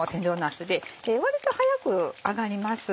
割と早く揚がります。